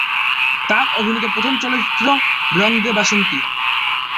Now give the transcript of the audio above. তার অভিনীত প্রথম চলচ্চিত্র "রং দে বাসন্তী"।